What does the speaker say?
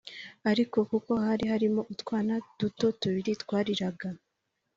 ariko kuko hari harimo utwana duto tubiri twariraga